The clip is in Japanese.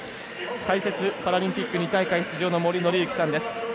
解説、パラリンピック２大会出場の森紀之さんです。